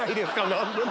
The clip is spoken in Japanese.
何でも。